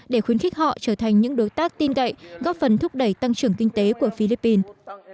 để khuyến khích họ trở thành những đối tác tin cậy góp phần thúc đẩy tăng trưởng kinh tế của philippines